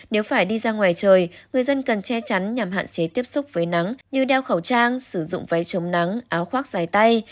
nếu phải đi ra ngoài trời người dân cần che chắn nhằm hạn chế tiếp xúc với nắng như đeo khẩu trang sử dụng váy chống nắng áo khoác dài tay